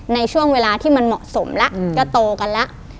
ในช่วงเวลาที่มันเหมาะสมแล้วก็โตกันแล้ว